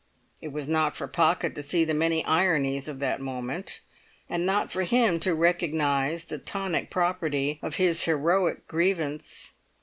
It was not for Pocket to see the many ironies of that moment, and not for him to recognise the tonic property of his heroic grievance.